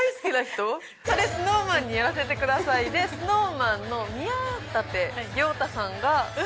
『それＳｎｏｗＭａｎにやらせて下さい』でＳｎｏｗＭａｎの宮舘涼太さんがご紹介えっ？